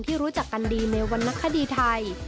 ที่รู้จักกันดีในวันนักคดีไทย